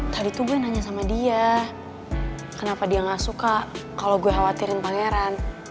tadi tuh gue nanya sama dia kenapa dia gak suka kalau gue khawatirin pangeran